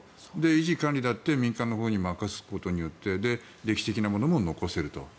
維持管理だって民間のほうに任すことによってで、歴史的なものも残せると。